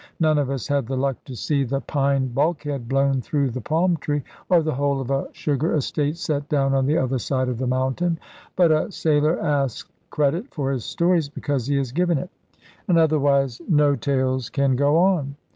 None of us had the luck to see the pine bulkhead blown through the palm tree, or the whole of a sugar estate set down on the other side of the mountain; but a sailor asks credit for his stories, because he has given it: and otherwise no tales can go on.